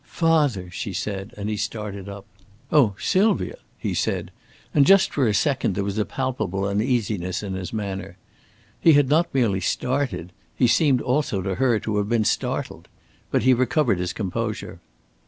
"Father!" she said, and he started up. "Oh, Sylvia!" he said, and just for a second there was a palpable uneasiness in his manner. He had not merely started. He seemed also to her to have been startled. But he recovered his composure.